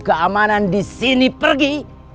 keamanan disini pergi